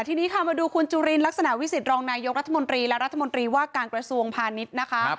ทีนี้ค่ะมาดูคุณจุลินลักษณะวิสิตรองนายกรัฐมนตรีและรัฐมนตรีว่าการกระทรวงพาณิชย์นะคะ